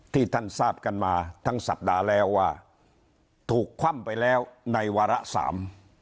ที่ท่านทราบกันมาทั้งสัปดาห์แล้วว่าถูกคว่ำไปแล้วในวาระสาม